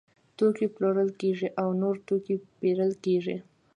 توکي پلورل کیږي او نور توکي پیرل کیږي.